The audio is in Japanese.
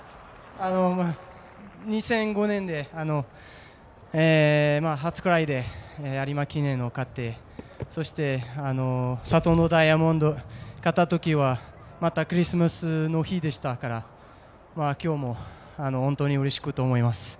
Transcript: ２００５年でハーツクライで有馬記念を勝ってそして、サトノダイヤモンドで勝ったときはまたクリスマスの日でしたから今日も本当にうれしく思います。